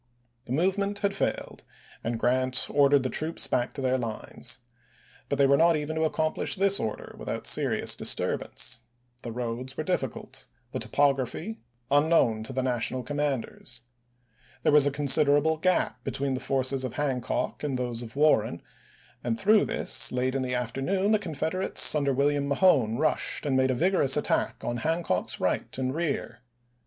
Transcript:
The movement had failed, and Grant ordered the troops back to their lines. But they were not even to accomplish this order without serious disturbance. The roads were difficult ; the topography unknown to the Vol. IX.— 28 434 ABKAHAM LINCOLN ch. xviii. National commanders. There was a considerable gap between the forces of Hancock and those of Warren, and through this, late in the afternoon, the Confederates under William Mahone rushed and made a vigorous attack on Hancock's right and rear.